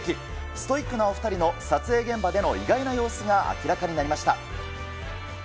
ストイックなお２人に撮影現場での意外な様子が明らかになりました。